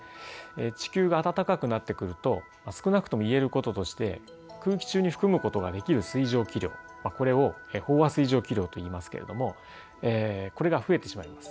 地球が暖かくなってくると少なくとも言えることとして空気中に含むことができる水蒸気量これを飽和水蒸気量といいますけれどもこれが増えてしまいます。